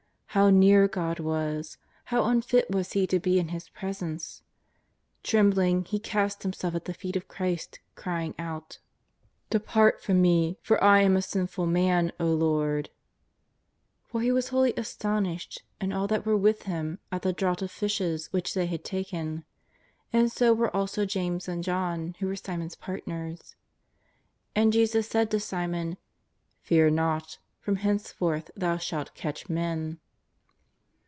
How near God was! How unfit was he to be in His Presence ! Trembling, he cast himself at the feet of Christ, crying out: 178 JESUS OF NAZAEETH. 179 Depart from me, for I am a sinful man, O Lord !" For he was wholly astonished and all that were with him at the draught of fishes which they had taken. And so were also James and John, who were Simon's partners. And Jesus said to Simon ;" Fear not, from hence forth thou shalt catch men.''